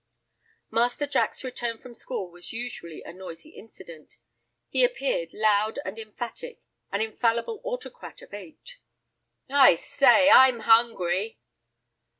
Master Jack's return from school was usually a noisy incident. He appeared loud and emphatic, an infallible autocrat of eight. "I say—I'm hungry."